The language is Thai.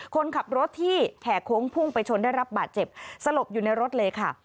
คนขับรถที่แห่โค้งพุ่งไปชนได้รับบาดเจ็บสลบอยู่ในรถเลยค่ะ